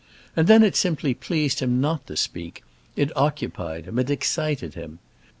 And then, it simply pleased him not to speak—it occupied him, it excited him.